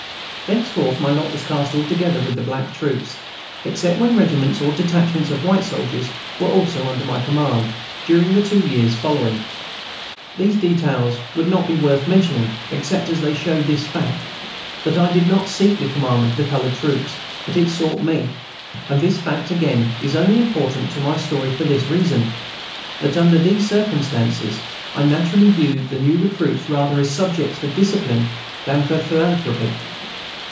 Thenceforth my lot was cast altogether with the black troops, except when regiments or detachments of white soldiers were also under my command, during the two years following. These details would not be worth mentioning except as they show this fact: that I did not seek the command of colored troops, but it sought me. And this fact again is only important to my story for this reason, that under these circumstances I naturally viewed the new recruits rather as subjects for discipline than for philanthropy.